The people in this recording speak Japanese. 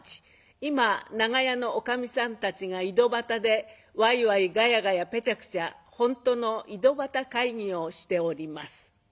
今長屋のおかみさんたちが井戸端でワイワイガヤガヤペチャクチャ本当の井戸端会議をしております。